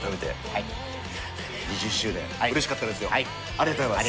ありがとうございます。